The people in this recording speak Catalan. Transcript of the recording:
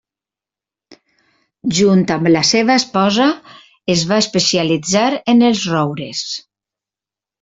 Junt amb la seva esposa es va especialitzar en els roures.